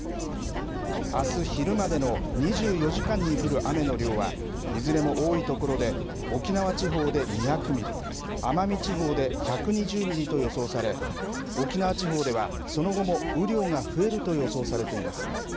あす昼までの２４時間に降る雨の量は、いずれも多い所で沖縄地方で２００ミリ、奄美地方で１２０ミリと予想され、沖縄地方では、その後も雨量が増えると予想されています。